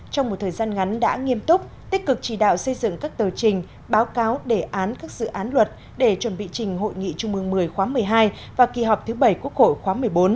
trong một thời gian ngắn đã nghiêm túc tích cực chỉ đạo xây dựng các tờ trình báo cáo đề án các dự án luật để chuẩn bị trình hội nghị trung mương một mươi khóa một mươi hai và kỳ họp thứ bảy quốc hội khóa một mươi bốn